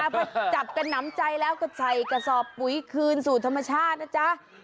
พอจับกันหนำใจแล้วก็ใส่กระสอบปุ๋ยคืนสู่ธรรมชาตินะจ๊ะ